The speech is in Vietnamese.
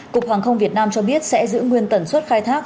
cục hàng không việt nam cho biết sẽ giữ nguyên tần suất khai thác